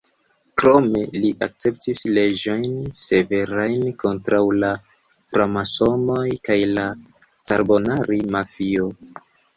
Krome li akceptis leĝojn severajn kontraŭ la framasonoj kaj la Carbonari-mafio.